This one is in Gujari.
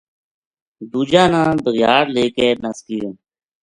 دوجا نا بھگیاڑ لے کے نس گیو